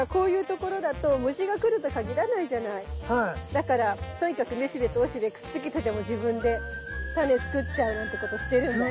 だからとにかくめしべとおしべくっつけてでも自分でタネ作っちゃうなんてことしてるんだね。